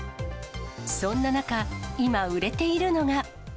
そんな中、今、売れているのが。